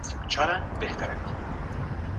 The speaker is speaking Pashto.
د يتيم اوښکي بايد پاکي سي.